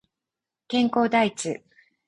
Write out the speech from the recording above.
健康第一